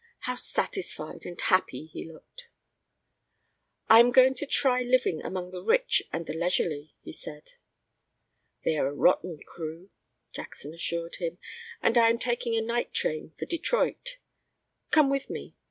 How satisfied and happy he looked. "I am going to try living among the rich and the leisurely," he said. "They are a rotten crew," Jackson assured him, "and I am taking a night train for Detroit. Come with me.